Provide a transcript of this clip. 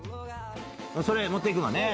それ持って行くのね。